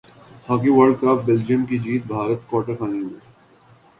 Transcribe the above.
hockey world cup Belgium کی جیت Bharat quarter final میں